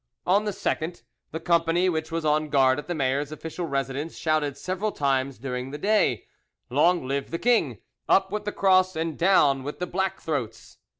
On the 2nd, the company which was on guard at the mayor's official residence shouted several times during the day, "Long live the king! Up with the Cross and down with the black throats!"